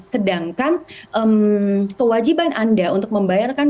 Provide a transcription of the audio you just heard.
sedangkan kewajiban anda untuk membayarkan